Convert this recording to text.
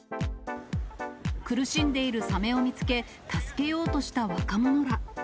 苦しんでいるサメを見つけ、助けようとした若者ら。